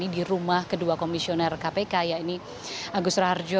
di rumah kedua komisioner kpk agus raharjo